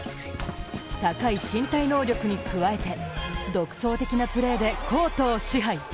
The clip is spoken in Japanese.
高い身体能力に加えて、独創的なプレーでコートを支配。